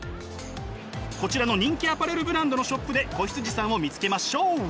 こちらの人気アパレルブランドのショップで子羊さんを見つけましょう！